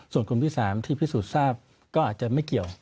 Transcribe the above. ส่วนกลุ่มที่๓ที่พิสูจน์ทราบก็อาจจะไม่เกี่ยว